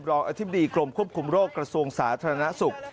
อธิบดีกรมควบคุมโรคกระทรวงสาธารณสุข